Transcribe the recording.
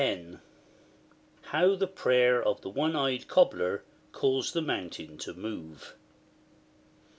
How THE Prayer of the One eyed Cobler caused the Mountain to move.